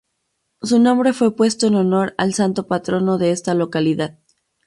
Su nombre fue puesto en honor al Santo Patrono de esta localidad.